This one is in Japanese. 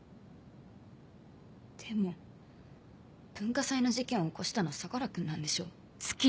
でも文化祭の事件起こしたのは相楽君なんでしょ？